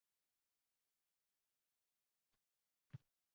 Bu ishlarini “himoya uchun”, deya o‘zlarini oqlaydilar.